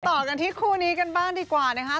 ต่อกันที่คู่นี้กันบ้างดีกว่านะคะ